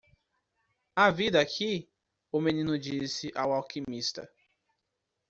"Há vida aqui?" o menino disse ao alquimista.